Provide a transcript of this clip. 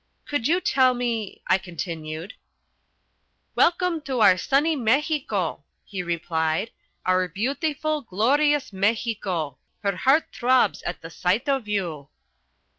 "Could you tell me ?" I continued. "Welcome to our sunny Mexico!" he repeated "our beautiful, glorious Mexico. Her heart throbs at the sight of you."